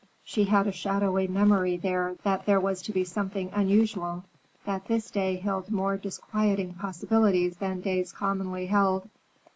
She had a shadowy memory that there was to be something unusual, that this day held more disquieting possibilities than days commonly held.